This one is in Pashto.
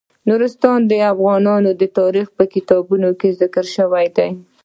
نورستان د افغان تاریخ په کتابونو کې ذکر شوی دي.